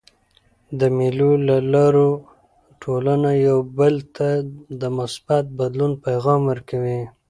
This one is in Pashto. د مېلو له لاري ټولنه یو بل ته د مثبت بدلون پیغام ورکوي.